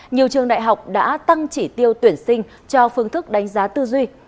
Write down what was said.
nhiều trường đại học đã tăng chỉ tiêu tuyển sinh cho phương thức đánh giá tư duy